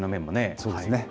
そうですね。